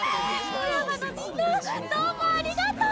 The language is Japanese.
富山のみんなどうもありがとう！